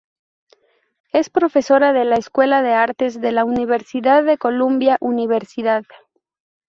Es profesora de la Escuela de Artes de la Universidad de Columbia Universidad.